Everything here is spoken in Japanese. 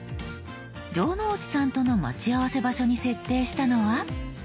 城之内さんとの待ち合わせ場所に設定したのは。